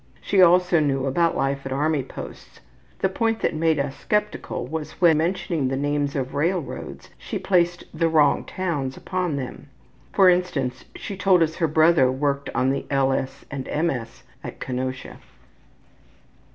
She also knew about life at army posts. The point that made us skeptical was when in mentioning the names of railroads she placed the wrong towns upon them. For instance, she told us her brother worked on the L. S. & M. S. at Kenosha.